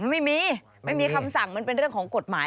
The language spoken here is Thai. ไม่มีไม่มีคำสั่งมันเป็นเรื่องของกฎหมาย